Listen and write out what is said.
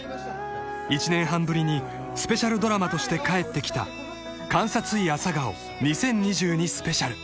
［１年半ぶりにスペシャルドラマとして帰ってきた『監察医朝顔２０２２スペシャル』］